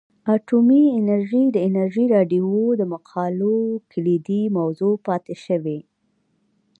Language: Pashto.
اټومي انرژي د ازادي راډیو د مقالو کلیدي موضوع پاتې شوی.